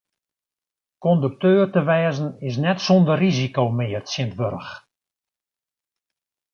Kondukteur te wêzen is net sûnder risiko mear tsjintwurdich.